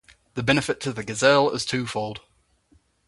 The benefit to the gazelle is twofold.